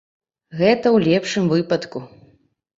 Гэта ў лепшым выпадку.